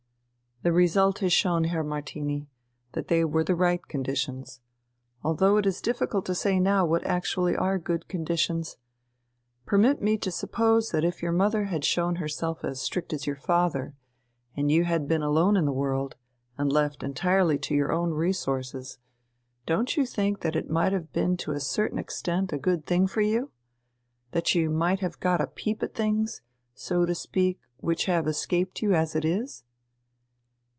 "The result has shown, Herr Martini, that they were the right conditions.... Although it is difficult to say now what actually are good conditions. Permit me to suppose that if your mother had shown herself as strict as your father, and you had been alone in the world, and left entirely to your own resources ... don't you think that it might have been to a certain extent a good thing for you? That you might have got a peep at things, so to speak, which have escaped you as it is?"